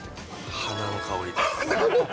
花の香り？